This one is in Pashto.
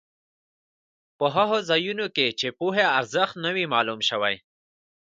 په هغو ځایونو کې چې پوهې ارزښت نه وي معلوم شوی.